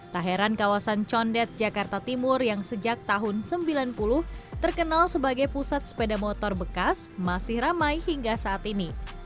tak heran kawasan condet jakarta timur yang sejak tahun sembilan puluh terkenal sebagai pusat sepeda motor bekas masih ramai hingga saat ini